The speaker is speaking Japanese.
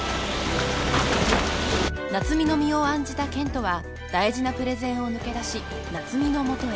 ［夏海の身を案じた健人は大事なプレゼンを抜け出し夏海の元へ］